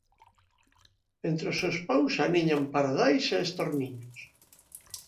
Entre os seus paus aniñan pardais e estorniños.